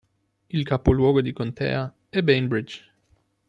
Il capoluogo di contea è Bainbridge.